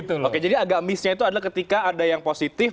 oke jadi agak missnya itu adalah ketika ada yang positif